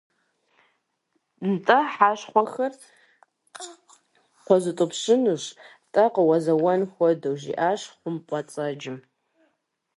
- НтӀэ хьэшхуэхэр къозутӀыпщынущ-тӀэ, къозэуэн хуэдэу, - жиӏащ хъумпӏэцӏэджым.